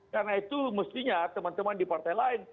karena itu mestinya teman teman di partai lain